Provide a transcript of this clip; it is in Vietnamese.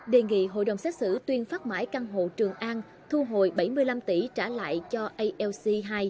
đề nghị hội đồng xét xử tuyên phát mãi căn hộ trường an thu hồi bảy mươi năm tỷ trả lại cho alc hai